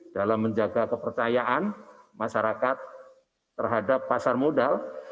dalam menjaga kepercayaan masyarakat terhadap pasar modal